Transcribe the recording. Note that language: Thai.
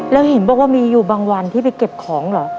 แล้วเห็นบอกว่ามีอยู่บางวันที่ไปเก็บของเหรอ